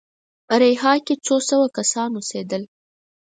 اریحا کې څو سوه کسان اوسېدل.